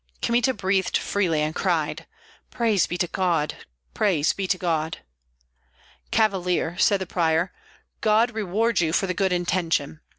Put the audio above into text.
Kmita breathed freely and cried, "Praise be to God, praise be to God!" "Cavalier," said the prior, "God reward you for the good intention.